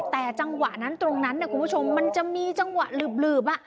แต่จังหวะนั้นตรงนั้นคุณผู้ชมมันจะมีจังหวะหลืบ